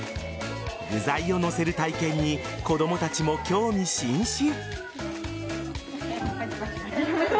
具材を載せる体験に子供たちも興味津々。